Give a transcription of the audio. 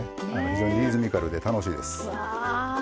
非常にリズミカルで楽しいです。